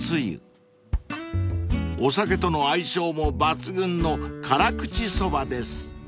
［お酒との相性も抜群の辛口そばです］